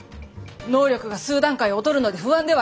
能力が数段階劣るので不安ではありますが。